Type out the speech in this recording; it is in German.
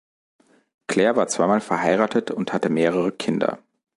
Klehr war zweimal verheiratet und hatte mehrere Kinder.